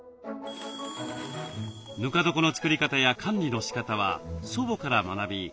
ぬか床の作り方や管理のしかたは祖母から学び